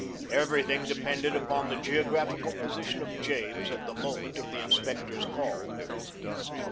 Everything depended upon the geographical position of James at the moment of the inspector's call.